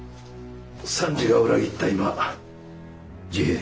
三次が裏切った今治平